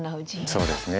そうですね